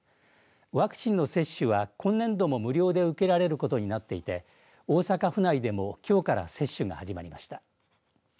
ワクチンの接種は今年度も無料で受けられることになっていて大阪府内でもきょうから接種が始まりました。